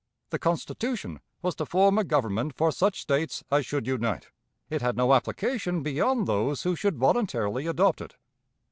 The Constitution was to form a Government for such States as should unite; it had no application beyond those who should voluntarily adopt it.